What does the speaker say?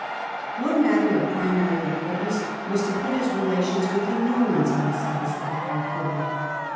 One matter of primary importance was to put his relations with the Normans on a satisfactory footing.